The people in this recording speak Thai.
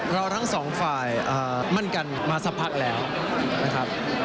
ทั้งสองฝ่ายมั่นกันมาสักพักแล้วนะครับ